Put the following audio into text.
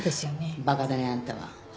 バカだねあんたは。はあ？